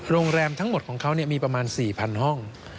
โรงแรมทั้งหมดของเขามีประมาณ๔๐๐ห้อง